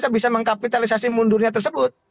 bisa mengkapitalisasi mundurnya tersebut